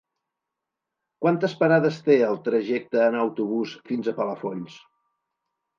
Quantes parades té el trajecte en autobús fins a Palafolls?